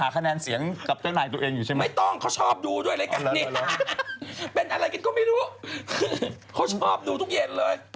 เป็นอะไรกินก็ไม่รู้เขาชอบดูทุกเย็นเลย